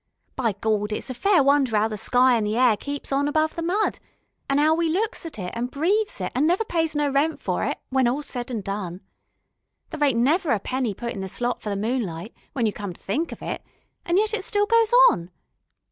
By Gawd, it's a fair wonder 'ow the sky an' the air keeps on above the mud, and 'ow we looks at it, an' breaves it, an' never pays no rent for it, when all's said an' done. There ain't never a penny put in the slot for the moonlight, when you come to think of it, yet still it all goes on.